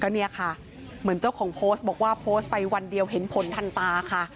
เจ้าของโพสต์บอกว่าโพสต์ไปวันเดียวเห็นผลทันตา